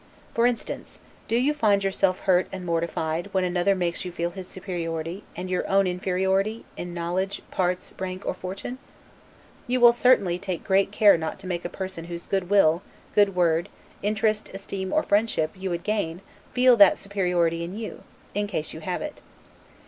For instance, do you find yourself hurt and mortified when another makes you feel his superiority, and your own inferiority, in knowledge, parts, rank, or fortune? You will certainly take great care not to make a person whose good will, good word, interest, esteem, or friendship, you would gain, feel that superiority in you, in case you have it.